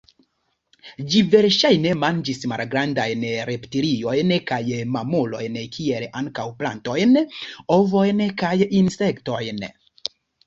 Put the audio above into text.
Ĝi verŝajne manĝis malgrandajn reptiliojn kaj mamulojn kiel ankaŭ plantojn, ovojn kaj insektojn.